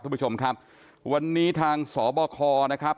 คุณผู้ชมครับวันนี้ทางสบคนะครับ